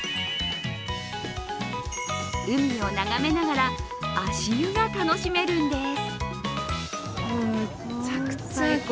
海を眺めながら足湯が楽しめるんです。